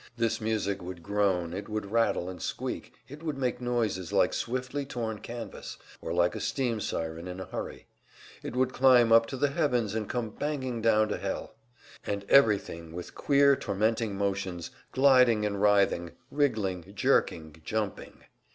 This music would groan, it would rattle and squeak; it would make noises like swiftly torn canvas, or like a steam siren in a hurry. It would climb up to the heavens and come banging down to hell. And every thing with queer, tormenting motions, gliding and writhing, wriggling, jerking, jumping.